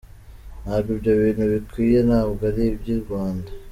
Ntabwo ibyo bintu bikwiye, ntabwo ari iby’i Rwanda.